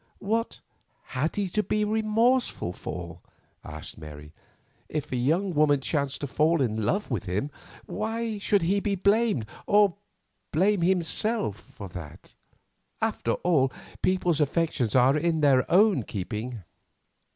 "What had he to be remorseful for?" asked Mary. "If a young woman chanced to fall in love with him, why should he be blamed, or blame himself for that? After all, people's affections are in their own keeping."